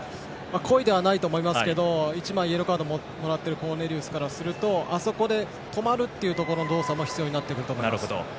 故意ではないと思いますけど１枚、イエローカードをもらっているコーネリウスからするとあそこで止まるという動作も必要になってくると思います。